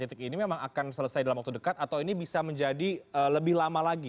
detik ini memang akan selesai dalam waktu dekat atau ini bisa menjadi lebih lama lagi